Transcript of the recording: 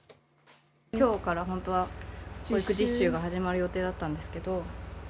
きょうから本当は教育実習が始まる予定だったんですけど。